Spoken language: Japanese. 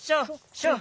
ショー！